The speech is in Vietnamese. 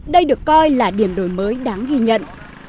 đây được coi là điểm đổi mới đáng ghi nhận